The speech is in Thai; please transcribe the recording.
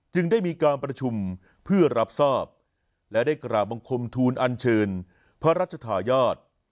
ได้มีการประชุมเพื่อรับทราบและได้กราบบังคมทูลอันเชิญพระราชทายอด